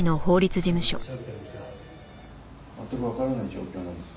全くわからない状況なんですか？